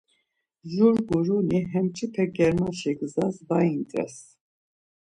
Jur guruni hem mç̌ipe germaşi gzas var int̆res.